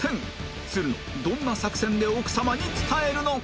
つるのどんな作戦で奥さまに伝えるのか？